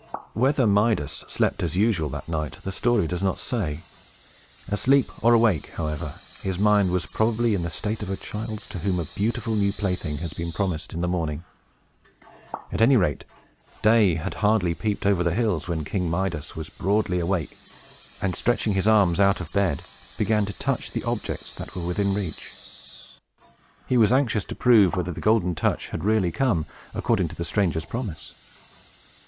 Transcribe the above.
Whether Midas slept as usual that night, the story does not say. Asleep or awake, however, his mind was probably in the state of a child's, to whom a beautiful new plaything has been promised in the morning. At any rate, day had hardly peeped over the hills, when King Midas was broad awake, and, stretching his arms out of bed, began to touch the objects that were within reach. He was anxious to prove whether the Golden Touch had really come, according to the stranger's promise.